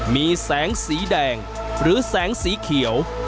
มีแสงสีแดงหรือแสงสีเขียว